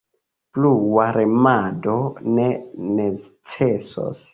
Plua remado ne necesos.